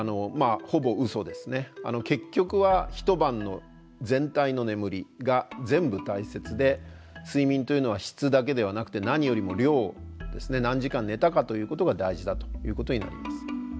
結局は一晩の全体の眠りが全部大切で睡眠というのは質だけではなくて何よりも量ですね何時間寝たかということが大事だということになります。